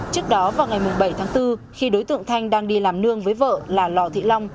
trước đó vào ngày bảy tháng bốn khi đối tượng thanh đang đi làm nương với vợ là lò thị long